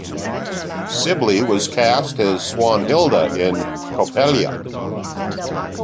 Sibley was cast as Swanhilda in "Coppelia".